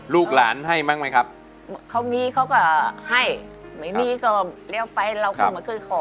ลูกหลานให้บ้างไหมครับเขามีเขาก็ให้ไม่มีก็เลี้ยวไปเราก็ไม่เคยขอ